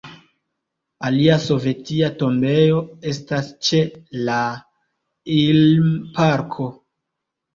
Alia sovetia tombejo estas ĉe la Ilm-parko.